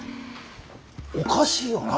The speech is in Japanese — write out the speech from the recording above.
おかしいよな。